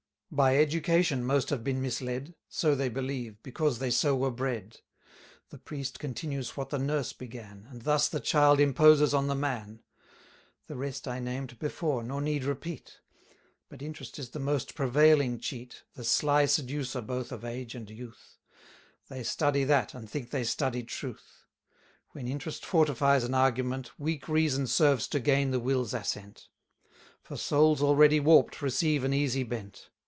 By education most have been misled; So they believe, because they so were bred. 390 The priest continues what the nurse began, And thus the child imposes on the man. The rest I named before, nor need repeat: But interest is the most prevailing cheat, The sly seducer both of age and youth; They study that, and think they study truth. When interest fortifies an argument, Weak reason serves to gain the will's assent; For souls, already warp'd, receive an easy bent.